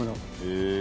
へえ。